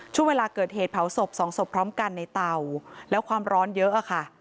ช่วงเวลาเกิดเหตุเผาศพสองศพพร้อมกันในเตาแล้วความร้อนเยอะอะค่ะ